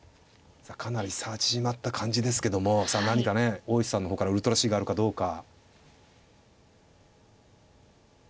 さあかなり差が縮まった感じですけどもさあ何かね大石さんの方からウルトラＣがあるかどうか。